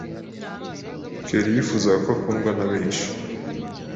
Kerri yifuzaga ko akundwa nabenshi